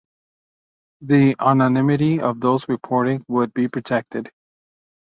The anonymity of those reporting would be protected.